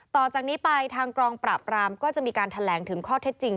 ต่อจากนี้ไปทางกองปราบรามก็จะมีการแถลงถึงข้อเท็จจริง